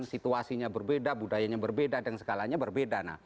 situasinya berbeda budayanya berbeda dan segalanya berbeda